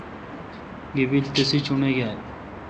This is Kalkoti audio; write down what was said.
گیبل تسے چوݨاگیل ۔